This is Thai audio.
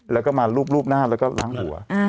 แล้วก็มารูปหน้าแล้วก็ล้างหัว